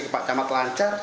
verifikasi ke pak camat lancar